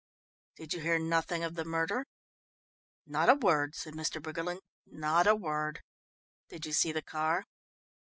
"Did you hear nothing of the murder?" "Not a word," said Mr. Briggerland, "not a word." "Did you see the car?"